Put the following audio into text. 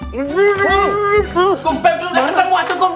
kum pebri udah ketemu tuh kum